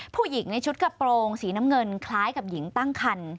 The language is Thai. ผู้หญิงในชุดกระโปรงสีน้ำเงินคล้ายกับหญิงตั้งคัน